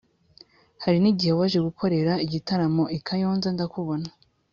hari n’igihe waje gukorera igitaramo i kayonza ndakubona